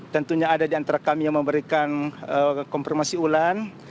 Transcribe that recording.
tentunya ada di antara kami yang memberikan konfirmasi ulang